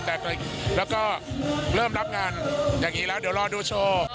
แล้วก็เริ่มรับงานอย่างนี้แล้วเดี๋ยวรอดูโชว์